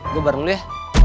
gue bareng lo ya